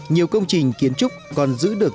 nhiều công trình kiến trúc còn giữ được